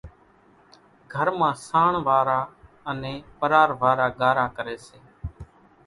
گھر مان سانڻ وارا انين ڀرار وارا ڳارا ڪري سي،